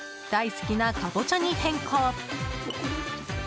大好きなカボチャに変更。